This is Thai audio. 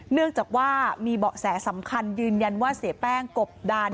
เนื่องจากว่ามีเบาะแสสำคัญยืนยันว่าเสียแป้งกบดัน